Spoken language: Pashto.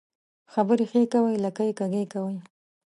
خبري ښې کوې ، لکۍ يې کږۍ کوې.